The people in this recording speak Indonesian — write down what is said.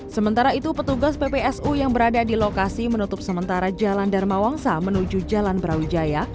sementara itu petugas ppsu yang berada di lokasi menutup sementara jalan dharma wangsa menuju jalan brawijaya